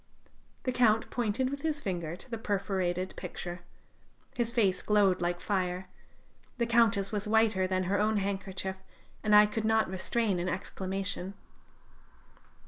The Count pointed with his finger to the perforated picture; his face glowed like fire; the Countess was whiter than her own handkerchief; and I could not restrain an exclamation.